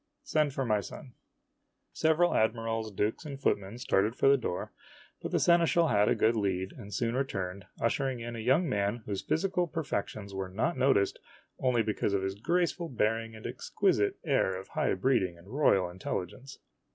Send for my son." Several admirals, dukes, and footmen started for the door, but the seneschal had a good lead, and soon returned, ushering in a young man whose physical perfections were not noticed only because of his graceful bearing and exquisite air of high breeding and royal intelligence.